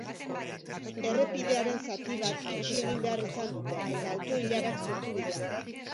Errepidearen zati bat itxi egin behar izan dute eta auto-ilarak sortu dira.